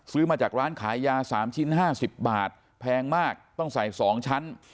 ซื้อมาจากร้านขายยา๓ชิ้น๕๐บาทแพงมากต้องใส่๒ชั้น